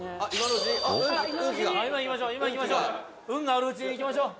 「今いきましょう。